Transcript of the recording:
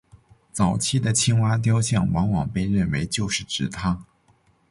早期的青蛙雕像往往被认为就是指她。